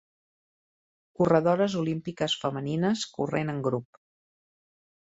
Corredores olímpiques femenines corrent en grup.